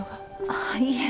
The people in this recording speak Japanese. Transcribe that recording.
あっいえ。